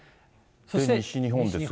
で、西日本ですが。